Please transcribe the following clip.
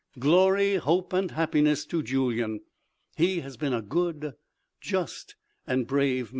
Glory, hope and happiness to Julyan! He has been good, just and brave.